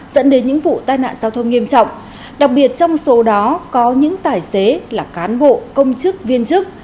dẫn đến những vụ tai nạn giao thông nghiêm trọng đặc biệt trong số đó có những tài xế là cán bộ công chức viên chức